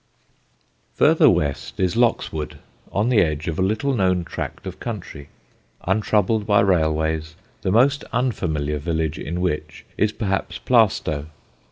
Further west is Loxwood, on the edge of a little known tract of country, untroubled by railways, the most unfamiliar village in which is perhaps Plaistow.